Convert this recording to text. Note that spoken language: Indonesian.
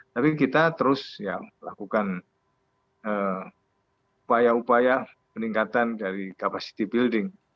tapi kita terus melakukan upaya upaya peningkatan dari capacity building